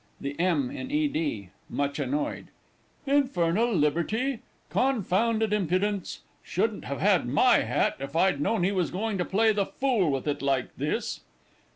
_ THE M. IN E. D. (much annoyed). Infernal liberty! Confounded impudence! Shouldn't have had my hat if I'd known he was going to play the fool with it like this!